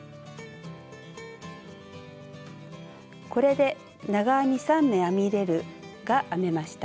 これで長編み３目編み入れるが編めました。